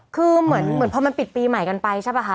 คือเหมือนพอมันปิดปีใหม่กันไปใช่ป่ะคะ